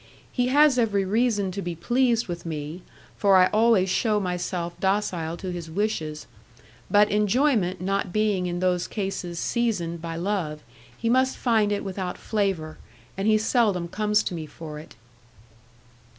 He has every reason to be pleased with me, for I always shew myself docile to his wishes, but enjoyment not being in those cases seasoned by love, he must find it without flavour, and he seldom comes to me for it.